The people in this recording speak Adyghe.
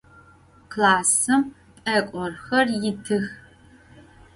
Klassım p'ek'orxer yitıx.